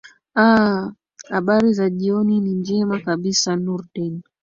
aa habari za jioni ni njema kabisa nurdin